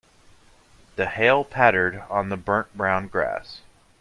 The hail pattered on the burnt brown grass.